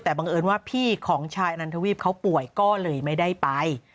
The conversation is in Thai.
แต่บังเอิญว่าพี่ของชายนันทวีปเขาป่วยก็เลยไม่ได้ไป